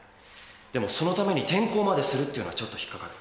でもそのために転校までするっていうのはちょっと引っ掛かる。